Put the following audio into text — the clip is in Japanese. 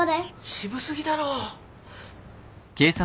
渋過ぎだろ。